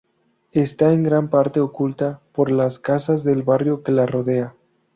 Está en gran parte oculta por las casas del barrio que la rodea.